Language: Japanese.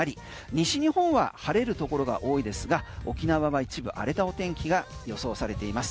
西日本は晴れるところが多いですが、沖縄は一部荒れた天気が予想されています。